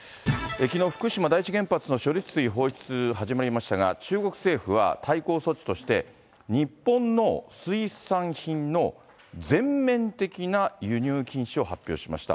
きのう、福島第一原発の処理水放出、始まりましたが、中国政府は対抗措置として、日本の水産品の全面的な輸入禁止を発表しました。